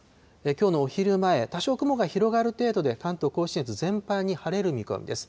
きょうのお昼前、多少雲が広がる程度で、関東甲信越、全般に晴れる見込みです。